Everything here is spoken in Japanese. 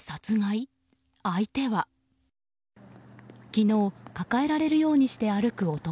昨日、抱えられるようにして歩く男。